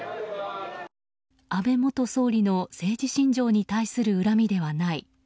安倍元総理の政治信条に対する恨みではない。